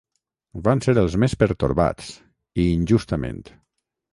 Van ser els més pertorbats, i injustament.